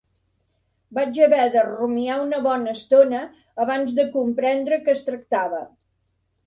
Vaig haver de rumiar una bona estona abans de comprendre que es tractava